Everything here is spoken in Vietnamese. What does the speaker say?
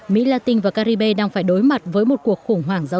mỹ latin và caribe đang phải đối mặt với một cuộc khủng hoảng giáo dục